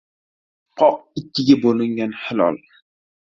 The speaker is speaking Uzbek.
Qoq ikkiga bo‘lingan hilol.